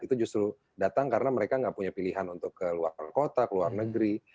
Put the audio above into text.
itu justru datang karena mereka nggak punya pilihan untuk keluar kota ke luar negeri